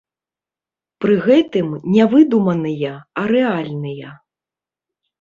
Пры гэтым, не выдуманыя, а рэальныя.